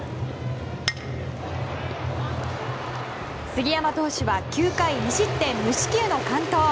杉山投手は９回２失点無四球の完投。